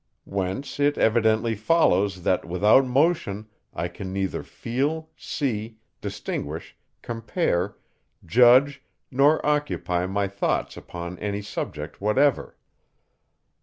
Whence it evidently follows, that, without motion, I can neither feel, see, distinguish, compare, judge, nor occupy my thoughts upon any subject whatever.